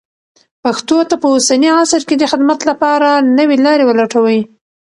پښتو ته په اوسني عصر کې د خدمت لپاره نوې لارې ولټوئ.